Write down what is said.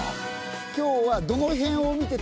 今日は。